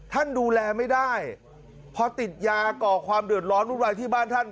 ท่านดูแลไม่ได้พอติดยาก่อความเดือดร้อนวุ่นวายที่บ้านท่าน